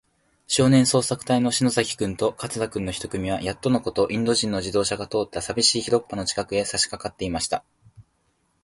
少年捜索隊そうさくたいの篠崎君と桂君の一組は、やっとのこと、インド人の自動車が通ったさびしい広っぱの近くへ、さしかかっていました。